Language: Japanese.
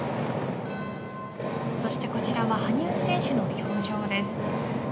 そしてこちらは羽生選手の表情です。